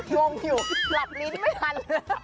งงอยู่หลับลิ้นไม่ทัน